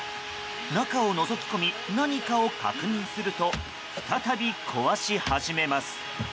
中をのぞき込み何かを確認すると再び壊し始めます。